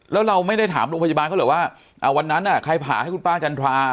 แล้วเราไม่ได้ถามโรงพยาบาลเขาเหรอว่าวันนั้นใครผ่าให้คุณป้าจันทรา